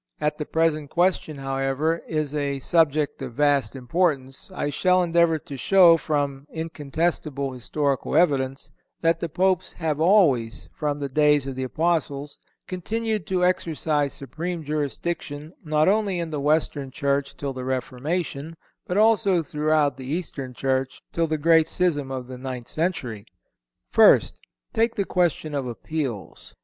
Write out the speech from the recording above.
As the present question, however, is a subject of vast importance, I shall endeavor to show, from incontestable historical evidence, that the Popes have always, from the days of the Apostles, continued to exercise supreme jurisdiction not only in the Western Church till the Reformation, but also throughout the Eastern Church till the great schism of the ninth century. First—Take the question of appeals.